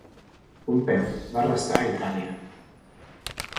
Pompeu va restar a Itàlia.